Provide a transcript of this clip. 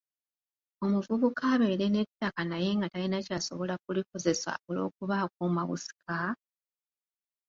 Omuvubuka abeere n'ettaka naye nga talina ky'asobola kulikozesa olw'okuba akuuma busika?